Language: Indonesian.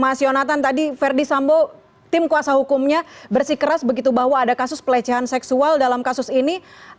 mas yonatan tadi verdi sambo tim kuasa hukumnya bersikeras begitu bahwa ada kasus pelecehan seksual dalam kasus ini